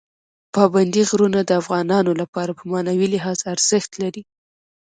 پابندی غرونه د افغانانو لپاره په معنوي لحاظ ارزښت لري.